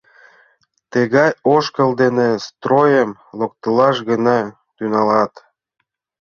— Тыгай ошкыл дене стройым локтылаш гына тӱҥалат.